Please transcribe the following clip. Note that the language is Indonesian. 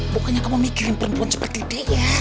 pokoknya kamu mikirin perempuan seperti dia